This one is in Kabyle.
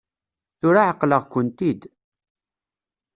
Tura ɛeqleɣ-kent-id.